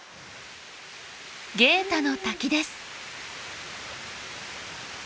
ゲータの滝です。